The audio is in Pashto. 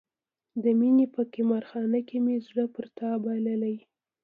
د مینې په قمار خانه کې مې زړه پر تا بایللی.